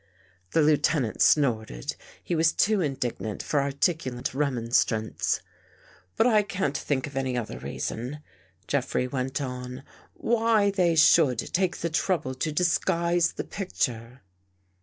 The Lieutenant snorted. He was too indignant for articulate remonstrance. '' But I can't think of any other reason," Jeffrey went on, " why they should take the trouble to dis guise the picture."